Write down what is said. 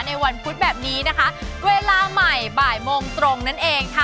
วันพุธแบบนี้นะคะเวลาใหม่บ่ายโมงตรงนั่นเองค่ะ